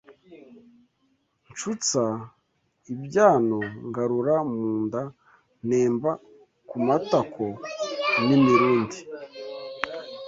Nshutsa ibyano ngarura mu nda Ntemba ku matako n’ imirundi